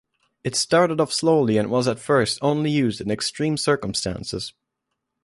It started off slowly and was at first only used in extreme circumstances.